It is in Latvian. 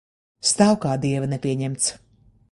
Stāv kā dieva nepieņemts.